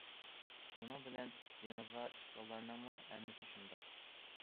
ئۇنىڭ بىلەن دېڭىزغا چىققانلارنىڭمۇ ھەممىسى شۇنداق.